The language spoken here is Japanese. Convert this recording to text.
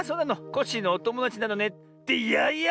コッシーのおともだちなのね。ってやや！